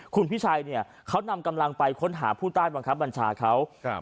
คุณพิชัยเนี่ยเขานำกำลังไปค้นหาผู้ใต้บังคับบัญชาเขาครับ